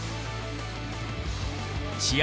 試合